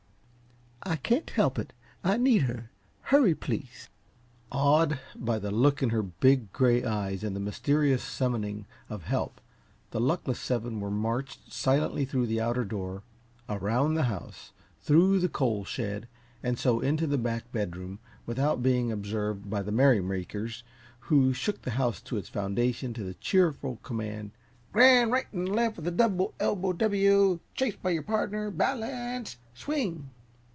"I can't help it I need her. Hurry, please." Awed by the look in her big, gray eyes and the mysterious summoning of help, the luckless seven were marched silently through the outer door, around the house, through the coal shed and so into the back bedroom, without being observed by the merrymakers, who shook the house to its foundation to the cheerful command: "Gran' right 'n' left with a double ELBOW W!" "Chasse by yer pardner balance SWING!"